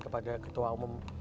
kepada ketua umum